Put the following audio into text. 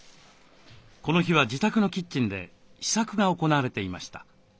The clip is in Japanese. この日は自宅のキッチンで試作が行われていました。